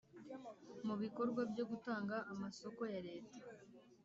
mu bikorwa byo gutanga amasoko ya Leta